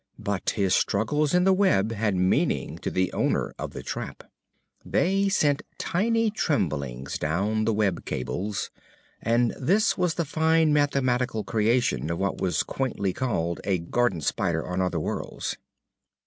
But his struggles in the web had meaning to the owner of the trap. They sent tiny tremblings down the web cables. And this was the fine mathematical creation of what was quaintly called a "garden spider" on other worlds.